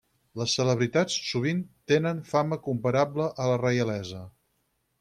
Les celebritats sovint tenen fama comparable a la reialesa.